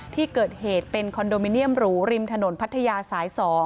ที่เกิดเหตุเป็นคอนโดมิเนียมหรูริมถนนพัทยาสาย๒